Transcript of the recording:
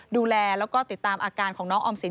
ดูแลแล้วก็ติดตามอาการของน้องออมสิน